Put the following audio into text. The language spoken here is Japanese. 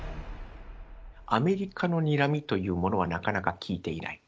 アメリカのにらみというものはなかなか利いていない。